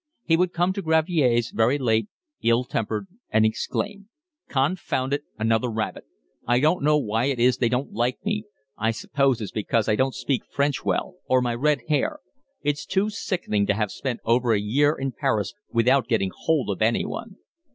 He would come to Gravier's very late, ill tempered, and exclaim: "Confound it, another rabbit! I don't know why it is they don't like me. I suppose it's because I don't speak French well, or my red hair. It's too sickening to have spent over a year in Paris without getting hold of anyone."